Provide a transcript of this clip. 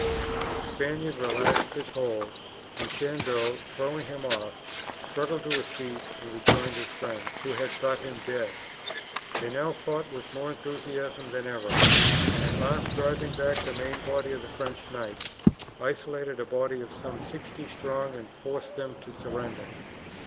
The Spaniard relaxed his hold, and Chandos, throwing him off, struggled to his feet and rejoined his friends, who had thought him dead. They now fought with more enthusiasm than ever, and at last, driving back the main body of the French knights, isolated a body of some sixty strong, and forced them to surrender.